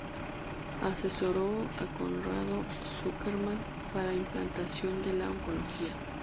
Asesoró a Conrado Zuckerman para la implantación de la oncología.